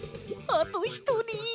あとひとり。